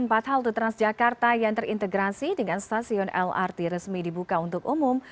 empat halte transjakarta yang terintegrasi dengan stasiun lrt resmi dibuka untuk umum